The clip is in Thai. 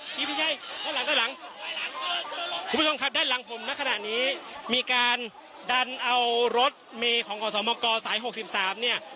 ที่ไม่ใช่ด้านหลังด้านหลังคุณผู้ชมครับด้านหลังผมณขณะนี้มีการดันเอารถเมย์ของอสมกสายหกสิบสามเนี่ย